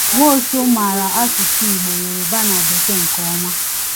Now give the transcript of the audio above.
Nwosu maara asụsụ Igbo, Yoruba na Bekee nke ọma.